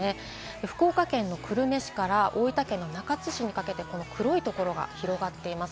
福岡県の久留米市から大分県の中津市にかけて黒いところが広がっています。